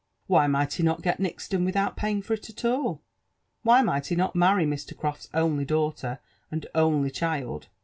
Why might he not get Nixton with out paying for it at all? Why might he not marry Mr. Croffs only daughter, and only child?